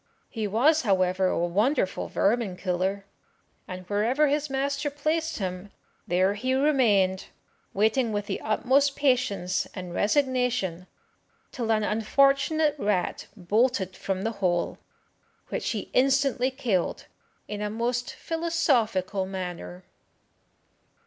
He was, however, a wonderful vermin killer, and wherever his master placed him, there he remained, waiting with the utmost patience and resignation till an unfortunate rat bolted from the hole, which he instantly killed in a most philosophical manner.